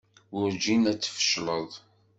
Werǧin ad tfecleḍ.